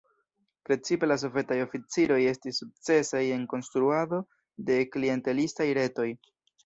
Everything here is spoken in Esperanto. Precipe la sovetaj oficiroj estis sukcesaj en konstruado de klientelistaj retoj.